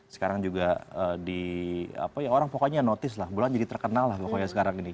sekarang juga orang pokoknya notice lah bulan jadi terkenal lah pokoknya sekarang ini